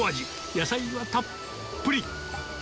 野菜がたっぷり。